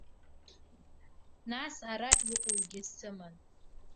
Нас, ара иҟоугьы сыман.